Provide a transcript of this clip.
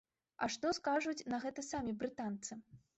А што скажуць на гэта самі брытанцы?